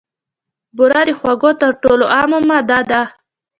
بوره د خوږو تر ټولو عامه ماده ده.